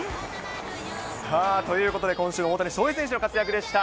さあ、ということで、今週の大谷翔平選手の活躍でした。